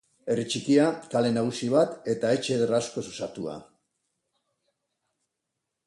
Herri txikia, kale nagusi bat, eta etxe eder askoz osatua.